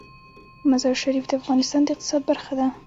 مزارشریف د افغانستان د اقتصاد برخه ده.